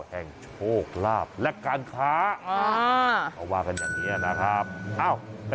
แห่งโชคลาภและการค้า